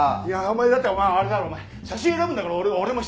だってお前あれだろお前写真選ぶんだから俺も必要だろ。